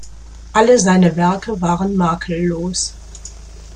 Alle seine Werke waren makellos.